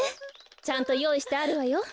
ちゃんとよういしてあるわよ。